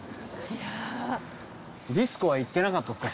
ディスコは行ってなかったですか？